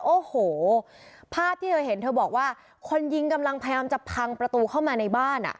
โอ้โหภาพที่เธอเห็นเธอบอกว่าคนยิงกำลังพยายามจะพังประตูเข้ามาในบ้านอ่ะ